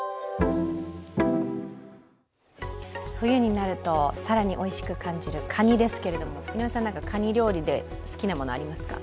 冬になると更においしく感じるかにですけども、井上さん、かに料理で好きなものありますか？